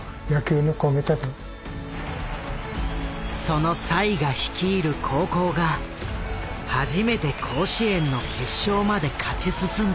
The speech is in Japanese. その栽が率いる高校が初めて甲子園の決勝まで勝ち進んだ。